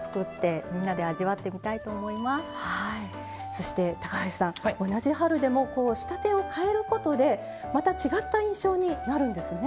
そして橋さん同じ春でも仕立てを変えることでまた違った印象になるんですね。